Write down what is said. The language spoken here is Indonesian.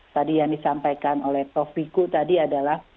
tadi yang disampaikan oleh prof viku tadi adalah